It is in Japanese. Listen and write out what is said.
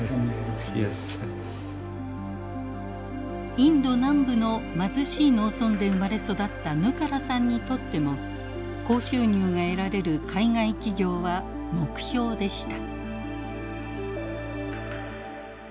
インド南部の貧しい農村で生まれ育ったヌカラさんにとっても高収入が得られる海外企業は目標でした。